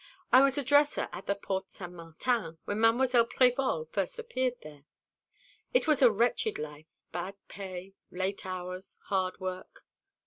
I was a dresser at the Porte Saint Martin when Mademoiselle Prévol first appeared there. It was a wretched life bad pay, late hours, hard work.